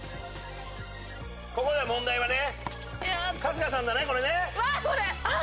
ここだよ問題はね。